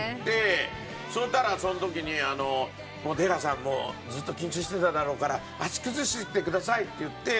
そしたらその時に出川さんもうずっと緊張してただろうから足崩してくださいって言って。